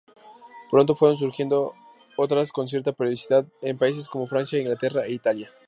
Pronto fueron surgiendo otras con cierta periodicidad en países como Francia, Inglaterra e Italia.